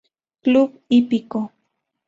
Club Hípico.